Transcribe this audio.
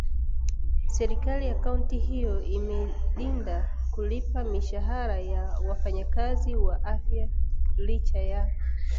serikali ya kaunti hiyo imedinda kulipa mishahara ya wafanyikazi wa afya licha ya